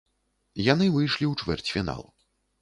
Яны выйшлі ў чвэрцьфінал.